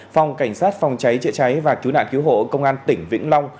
phòng cảnh sát phòng cháy chữa cháy và cứu nạn cứu hộ công an tỉnh vĩnh long